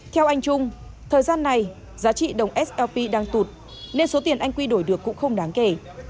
theo anh trung thời gian này giá trị đồng slp đang tụt nên số tiền anh quy đổi được cũng không đáng kể